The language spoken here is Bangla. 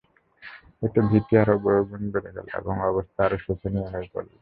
এতে ভীতি আরো বহুগুণ বেড়ে গেল এবং অবস্থা আরো শোচনীয় হয়ে পড়ল।